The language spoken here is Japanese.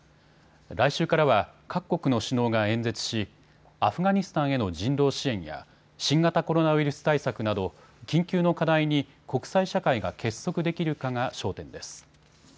来週からは各国の首脳が演説し、アフガニスタンへの人道支援や新型コロナウイルス対策など緊急の課題に国際社会が結束できるかが焦点です。